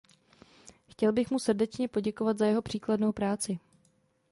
Chtěl bych mu srdečně poděkovat za jeho příkladnou práci.